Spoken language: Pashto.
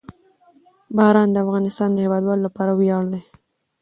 باران د افغانستان د هیوادوالو لپاره ویاړ دی.